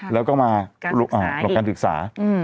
แล้วก็มารอการศึกษา